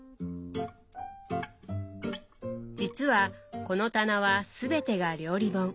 実はこの棚はすべてが料理本。